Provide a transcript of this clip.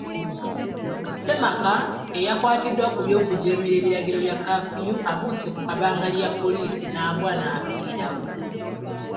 Ssemaka eyakwatiddwa ku by'okujeemera ebiragiro bya kaafiyu abuuse ku kabangali ya Poliisi naggwa naafiirawo.